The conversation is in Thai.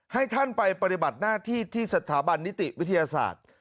ให้ท่านไปปฏิบัติหน้าที่ที่สถาบันนิติวิทยาศาสตร์